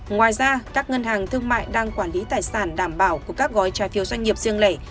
ngoài ra các ngân hàng thương mại đang quản lý tài sản đảm bảo của các gói trái phiếu doanh nghiệp riêng lẻ